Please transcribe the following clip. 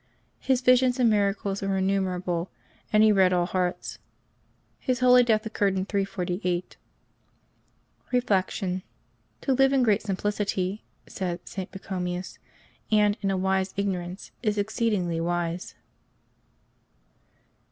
His visions and miracles were innumerable, and lie read all hearts. His holy death occurred in 348. Reflection. — "To live in great simplicity,'* s^d St. Pachomius, " and in a wise ignorance, is exceeding wise.''